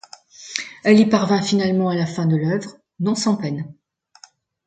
Elle y parvient finalement à la fin de l'œuvre, non sans peine.